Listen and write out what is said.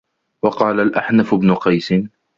وَقَالَ الْأَحْنَفُ بْنُ قَيْسٍ